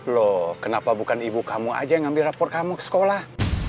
loh kenapa bukan ibu kamu aja yang ambil rapor kamu ke sekolah